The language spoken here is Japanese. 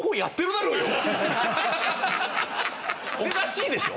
おかしいでしょ！